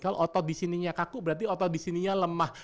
kalau otot di sininya kaku berarti otot di sininya lemah